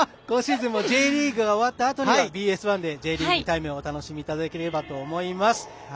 今シーズンもＪリーグが終わったあとにはＢＳ１で「Ｊリーグタイム」をお楽しみいただければと思います。